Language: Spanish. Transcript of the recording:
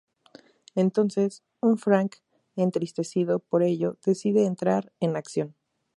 Entonces, un Frank entristecido por ello decide entrar en acción.